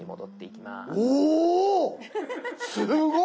すごい！